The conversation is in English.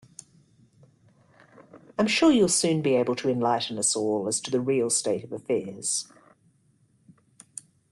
I'm sure you'll soon be able to enlighten us all as to the real state of affairs.